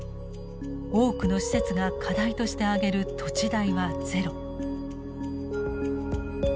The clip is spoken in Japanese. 多くの施設が課題として挙げる土地代はゼロ。